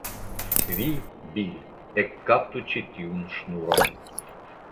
Vi, Bil, ekkaptu ĉi tiun ŝnuron.